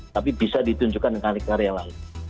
tapi bisa ditunjukkan dengan karya karya lain